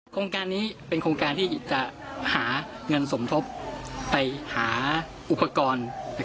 โครงการนี้เป็นโครงการที่จะหาเงินสมทบไปหาอุปกรณ์